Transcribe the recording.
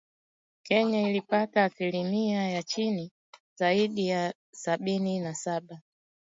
Kenya ilipata asilimia ya chini zaidi ya sabini na saba